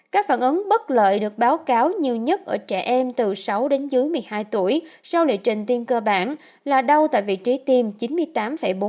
các phản ứng bất lợi được báo cáo nhiều nhất ở trẻ em từ sáu đến dưới một mươi hai tuổi sau lịa trình tiêm cơ bản là đau tại vị trí tiêm chín mươi tám bốn mệt mỏi bảy mươi ba một đau đầu sáu mươi hai một đau cơ ba mươi năm một